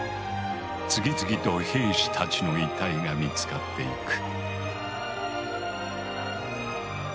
次々と兵士たちの遺体が見つかっていく。